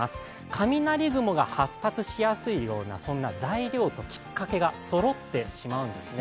雷雲が発達しそうなそんな材料ときっかけがそろってしまうんですね。